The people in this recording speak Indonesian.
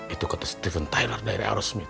itu kata steven tyler dari aerosmith